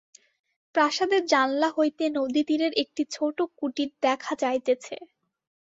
প্রাসাদের জানলা হইতে নদীতীরের একটি ছোটো কুটির দেখা যাইতেছে।